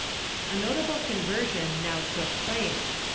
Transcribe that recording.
A notable conversion now took place.